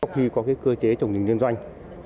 khi có cơ chế trồng rừng liên doanh